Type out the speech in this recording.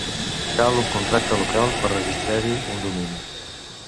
Cal un contacte local per registrar-hi un domini.